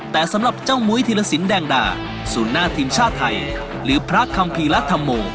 แต่สำหรับเจ้ามุ้ยธีรสินแดงดาศูนย์หน้าทีมชาติไทยหรือพระคัมภีร์รัฐโม